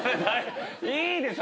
いいでしょ。